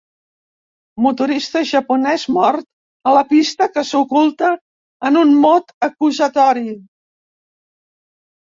Motorista japonès mort a la pista que s'oculta en un mot acusatori.